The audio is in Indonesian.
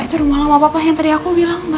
itu rumah lama papa yang tadi aku bilang mba